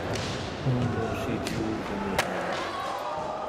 Whom will she choose in the end?